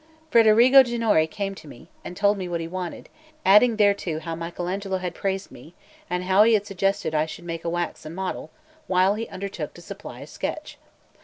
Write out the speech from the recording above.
Federigo Ginori came to me, and told me what he wanted, adding thereto how Michel Agnolo had praised me, and how he had suggested I should make a waxen model while he undertook to supply a sketch.